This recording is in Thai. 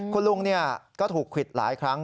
คุณลุงก็ถูกควิดหลายครั้ง